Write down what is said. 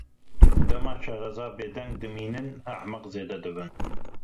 Dema şareza bêdeng dimînin, ehmeq zêde dibin.